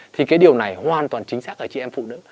thì cái điều này hoàn toàn chính xác ở chị em phụ nữ